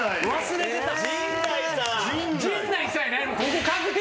忘れてた。